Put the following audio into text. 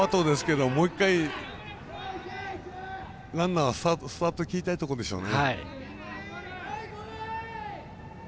ノーアウトですけどもう一回、ランナーはスタートを切りたいところでしょうね。